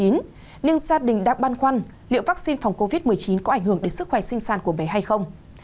nhưng gia đình đã băn khoăn liệu vaccine phòng covid một mươi chín có ảnh hưởng đến sức khỏe sinh sản của bé hay không